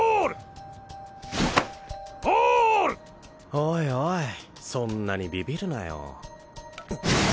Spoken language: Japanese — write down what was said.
おいおいそんなにビビるなよ。